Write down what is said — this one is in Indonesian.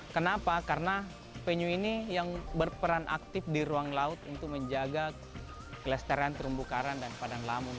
kenapa karena penyu ini yang berperan aktif di ruang laut untuk menjaga kelestarian terumbu karang dan padang lamun